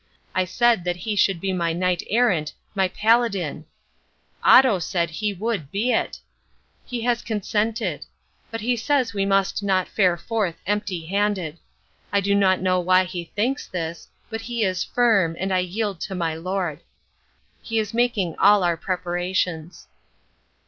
I said that he should be my knight errant, my paladin! Otto said he would be it. He has consented. But he says we must not fare forth empty handed. I do not know why he thinks this, but he is firm, and I yield to my lord. He is making all our preparations.